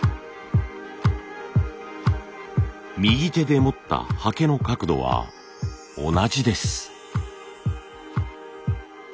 右手で持ったはけの角度は同じです。